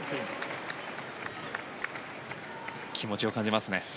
気持ちを感じますね。